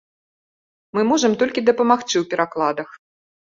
Мы можам толькі дапамагчы ў перакладах.